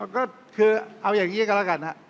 ก็คือเอาอย่างนี้ก็แล้วกันฮะ